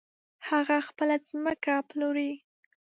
هغه خپله ځمکه پلوري .